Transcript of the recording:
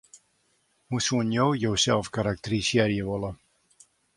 Hoe soenen jo josels karakterisearje wolle?